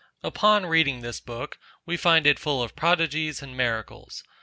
Upon reading this book, we find it full of prodigies and miracles.